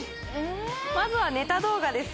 まずはネタ動画です。